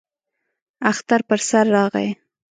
اختر پر سر راغی.